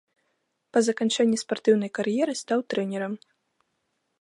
Па заканчэнні спартыўнай кар'еры стаў трэнерам.